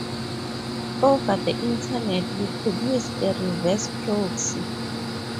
Over the internet, you could use a reverse proxy